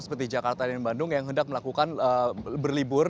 seperti jakarta dan bandung yang hendak melakukan berlibur